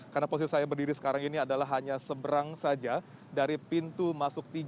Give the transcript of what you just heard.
karena posisi saya berdiri sekarang ini adalah hanya seberang saja dari pintu masuk tiga